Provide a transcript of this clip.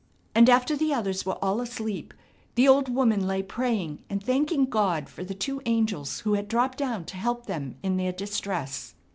And after the others were all asleep the old woman lay praying and thanking God for the two angels who had dropped down to help them in their distress.